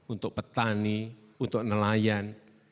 untuk petani untuk nelayan